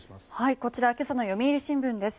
こちら今朝の読売新聞です。